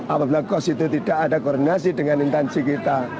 apabila kos itu tidak ada koordinasi dengan intansi kita